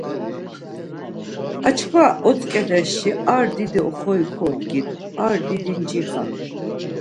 Ar çkva otzǩedesşi ar didi oxori kodgin, didi ar cixa.